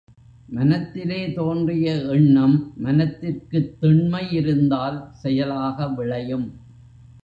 மனத்திலே தோன்றிய எண்ணம் மனத்திற்குத் திண்மை இருந்தால் செயலாக விளையும்.